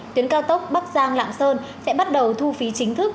tuyến cao tốc bắc giang lạng sơn sẽ bắt đầu thu phí chính thức